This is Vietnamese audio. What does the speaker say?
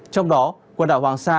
trong đó quần đảo hoàng sa